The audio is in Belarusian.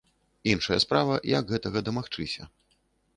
Іншая справа, як гэтага дамагчыся.